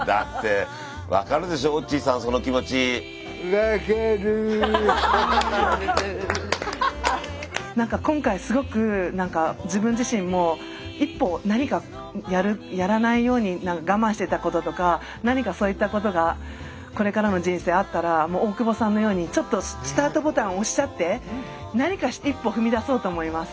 だってなんか今回すごく自分自身も一歩何かやらないように我慢してたこととか何かそういったことがこれからの人生あったら大久保さんのようにちょっとスタートボタン押しちゃって何か一歩踏み出そうと思います。